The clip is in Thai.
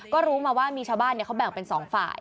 ก็รู้มาว่ามีชาวบ้านเขาแบ่งเป็น๒ฝ่าย